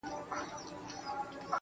چي زړه ته، ته راغلې په مخه رقيب هم راغی_